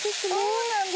そうなんです。